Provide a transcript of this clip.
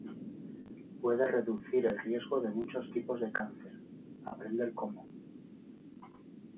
Puede reducir el riesgo de muchos tipos de cáncer. Aprender cómo.